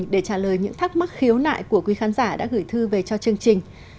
để trả lời những thắc mắc khiếu nại của quý khán giả đã gửi thư về cho chương trình